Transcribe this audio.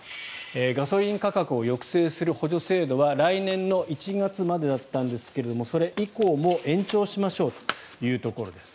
ガソリン価格を抑制する補助制度は来年の１月までだったんですがそれ以降も延長しましょうというところです。